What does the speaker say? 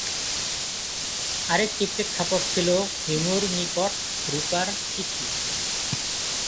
আরেকটি প্রেক্ষাপট ছিলো হিমুর নিকট রুপার চিঠি।